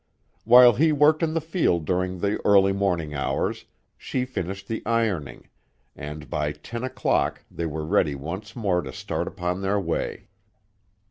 While he worked in the field during the early morning hours, she finished the ironing, and by ten o'clock they were ready once more to start upon their way.